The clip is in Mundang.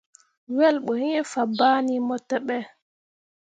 Wel ɓo iŋ fabaŋni mo teɓe.